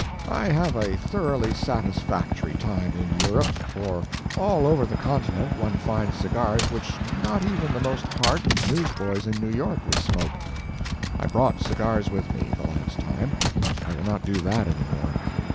I have a thoroughly satisfactory time in Europe, for all over the Continent one finds cigars which not even the most hardened newsboys in New York would smoke. I brought cigars with me, the last time; I will not do that any more.